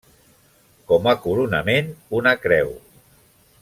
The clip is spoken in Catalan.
Com a coronament una creu.